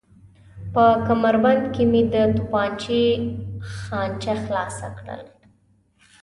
په کمربند کې مې د تومانچې خانچه خلاصه کړل.